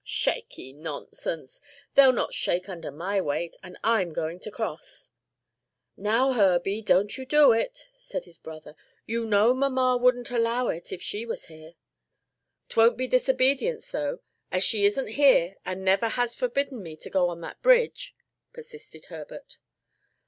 "Shaky! nonsense! they'll not shake under my weight, and I'm going to cross." "Now, Herbie, don't you do it," said his brother. "You know mamma wouldn't allow it if she was here." "'Twon't be disobedience though; as she isn't here, and never has forbidden me to go on that bridge," persisted Herbert.